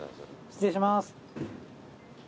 失礼します。